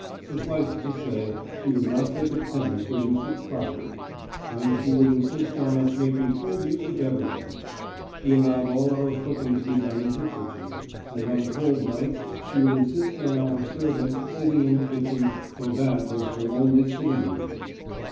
Suffice it to say she would not take a penny for use of crockery; and she would insist on us making full use of everything; she allowed all our cooking to be done in her kitchen; and on cold nights she would insist on our servants sitting in the kitchen, though that was her only sitting room.